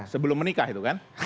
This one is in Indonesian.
sebelum menikah itu kan